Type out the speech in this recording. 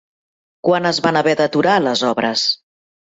Quan es van haver d'aturar les obres?